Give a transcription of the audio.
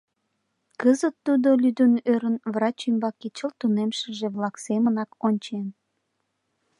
Кызыт тудо, лӱдын-ӧрын, врач ӱмбаке чылт тунемшыже-влак семынак ончен.